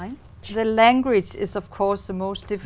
chúng tôi ăn nhiều thịt